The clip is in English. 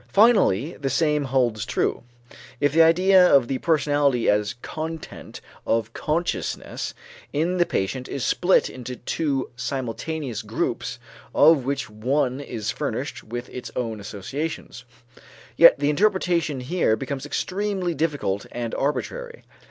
Finally the same holds true, if the idea of the personality as content of consciousness in the patient is split into two simultaneous groups, of which each one is furnished with its own associations. Yet the interpretation here becomes extremely difficult and arbitrary.